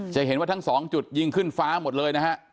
จะเห็นว่าทั้งสองจุดยิงขึ้นฟ้าหมดเลยนะฮะ